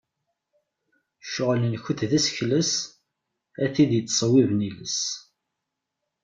Ccɣel-nkent d asekles, a tid yettṣewwiben iles.